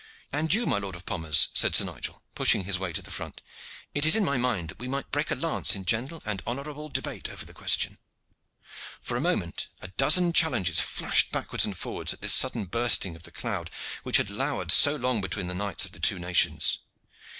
"And you, my Lord of Pommers," said Sir Nigel, pushing his way to the front, "it is in my mind that we might break a lance in gentle and honorable debate over the question." For a moment a dozen challenges flashed backwards and forwards at this sudden bursting of the cloud which had lowered so long between the knights of the two nations.